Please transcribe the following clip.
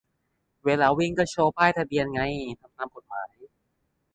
เวลาวิ่งก็โชว์ป้ายทะเบียนไง ทำตามกฎหมาย